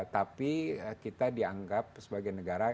tapi kita dianggap sebagai negara